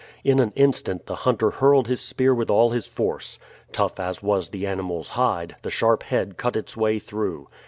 In an instant the hunter hurled his spear with all his force. Tough as was the animal's hide, the sharp head cut its way through.